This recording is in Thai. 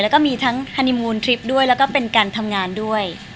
แล้วก็มีทั้งฮานิมูลทริปด้วยแล้วก็เป็นการทำงานด้วย